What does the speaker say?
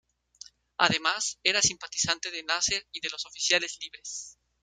Además, era simpatizante de Nasser y de los Oficiales Libres.